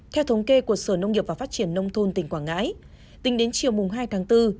theo thống kê của sở nông nghiệp và phát triển nông thôn tỉnh quảng ngãi tính đến chiều hai tháng bốn